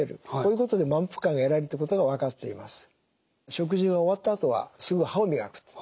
食事が終わったあとはすぐ歯を磨くと。